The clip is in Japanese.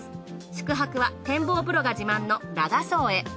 宿泊は展望風呂が自慢の羅賀荘へ。